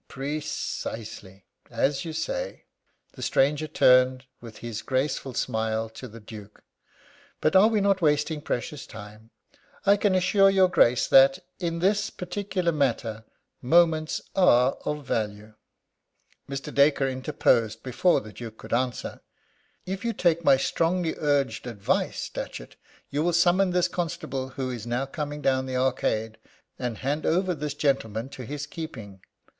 "Precisely as you say!" The stranger turned, with his graceful smile, to the Duke: "But are we not wasting precious time? I can assure your Grace that, in this particular matter, moments are of value." Mr. Dacre interposed before the Duke could answer: "If you take my strongly urged advice, Datchet, you will summon this constable who is now coming down the Arcade, and hand over this gentleman to his keeping.